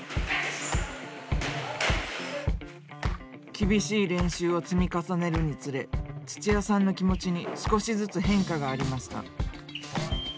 厳しい練習を積み重ねるにつれ土屋さんの気持ちに少しずつ変化がありました。